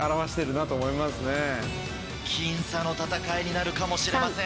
僅差の戦いになるかもしれません。